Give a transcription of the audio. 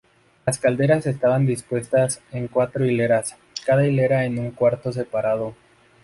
Las calderas estaban dispuestas en cuatro hileras, cada hilera en un cuarto separado.